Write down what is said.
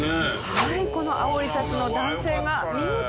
はいこの青いシャツの男性が見事にキャッチ！